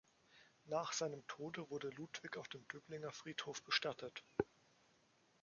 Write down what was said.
Nach seinem Tode wurde Ludwig auf dem Döblinger Friedhof bestattet.